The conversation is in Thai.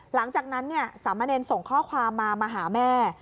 หลังจากนั้นสามเณรส่งข้อความมามาหาแม่